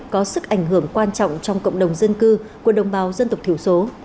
có sức ảnh hưởng quan trọng trong cộng đồng dân cư của đồng bào dân tộc thiểu số